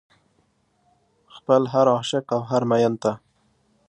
خپل هر عاشق او هر مين ته